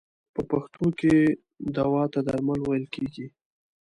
په پښتو کې دوا ته درمل ویل کیږی.